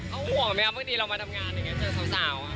เขาห่วงไหมครับบางทีเรามาทำงานอย่างนี้เจอสาว